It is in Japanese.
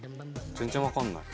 全然分かんない。